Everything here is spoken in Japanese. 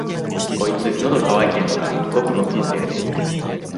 こいつ、のど渇いてんのか、ごくごく飲んでるね。